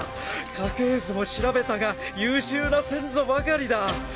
家系図も調べたが優秀な先祖ばかりだ